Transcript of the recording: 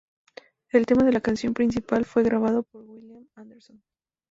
El tema de la canción principal fue grabado por William Anderson.